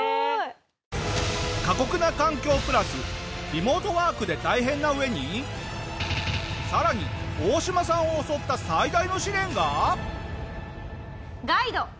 過酷な環境プラスリモートワークで大変な上にさらにオオシマさんを襲った最大の試練が。